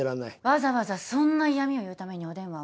わざわざそんな嫌みを言うためにお電話を？